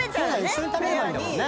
一緒に食べればいいんだ。